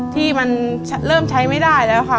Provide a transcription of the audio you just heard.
ที่มันเริ่มใช้ไม่ได้แล้วค่ะ